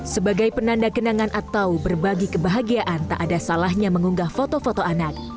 sebagai penanda kenangan atau berbagi kebahagiaan tak ada salahnya mengunggah foto foto anak